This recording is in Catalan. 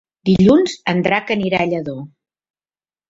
Dilluns en Drac anirà a Lladó.